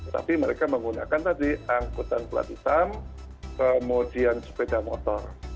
tapi mereka menggunakan tadi angkutan plat hitam kemudian sepeda motor